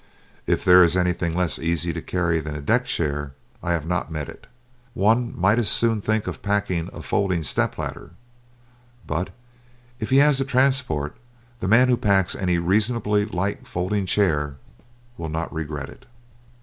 If there be anything less easy to carry than a deck chair I have not met it. One might as soon think of packing a folding step ladder. But if he has the transport, the man who packs any reasonably light folding chair will not regret it.